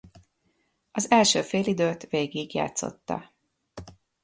Az első félidőt végigjátszotta.